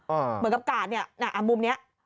เหมือนกับกาดเนี่ยน่ะมุมนี้